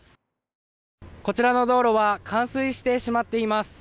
こちらの道路は冠水してしまっています。